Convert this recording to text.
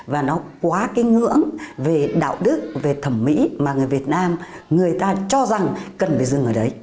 và nó quá cái ngưỡng về đạo đức về thẩm mỹ mà người việt nam người ta cho rằng cần phải dừng ở đấy